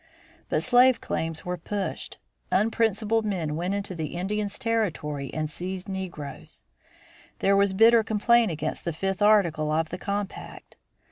But slave claims were pushed; unprincipled men went into the Indians' territory and seized negroes; there was bitter complaint against the fifth article of the compact.